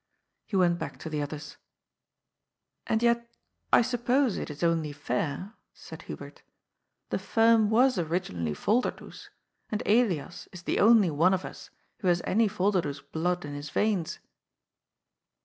He went back to the others. And yet>I suppose it is only fair," said Hubert " The firm was originally Yolderdoes, and Mias is the only one of us who has any Volderdoes blood in his yeins."